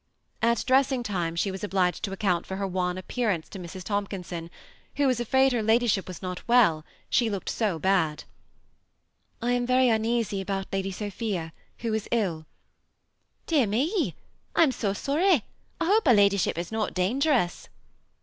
At dressing time she was obliged to account for her wan appearance to Mrs. Tomkinson, who was afraid her ladyship was not well, she looked " so bad. I am very uneasy about Lady Sophia, who is ill. " Dear me ! I am so sony : I hope her ladyship is not dangerous